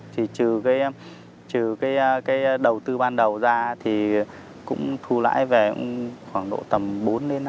thì trừ cái đầu tư ban đầu ra thì cũng thu lãi về khoảng độ tầm bốn năm tỷ